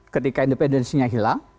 ketika independensinya hilang